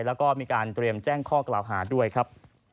แล้วก็มีการเตรียมแจ้งข้อกล่าวหาด้วยครับ